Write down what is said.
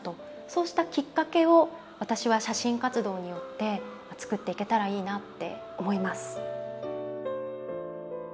そうしたきっかけを私は写真活動によって作っていけたらいいなって思います。